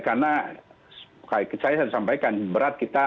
karena saya sampaikan berat kita